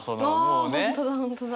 あ本当だ本当だ！